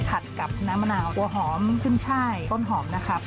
ผัดกับน้ำมะนาวตัวหอมขึ้นช่ายต้นหอมนะครับ